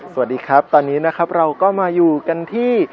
สวัสดีครับตอนนี้นะครับเราก็มาอยู่กันที่